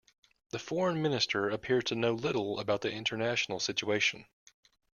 The foreign minister appears to know little about the international situation.